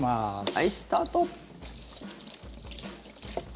はい、スタート。